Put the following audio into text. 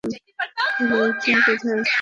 তাহলে অর্জুন কোথায়?